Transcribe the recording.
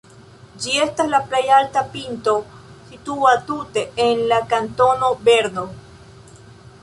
Ĝi estas la plej alta pinto situa tute en la kantono Berno.